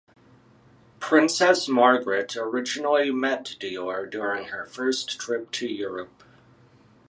Princess Margret originally met Dior during her first trip to Europe.